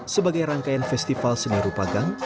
sebagai rangkaian festival seni rupa gang